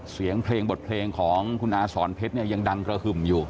เสียงเพลงบทเพลงของคุณอาสอนเพชรเนี่ยยังดังกระหึ่มอยู่